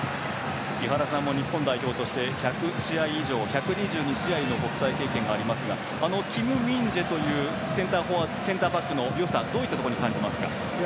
井原さんも日本代表として１００試合以上、１２２試合の国際経験がありますがキム・ミンジェのよさどういったところに感じますか？